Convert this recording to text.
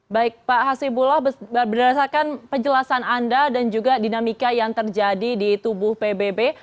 baik pak hasibullah berdasarkan penjelasan anda dan juga dinamika yang terjadi di tubuh pbb